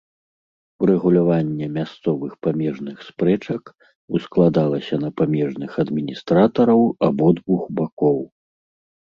Урэгуляванне мясцовых памежных спрэчак ускладалася на памежных адміністратараў абодвух бакоў.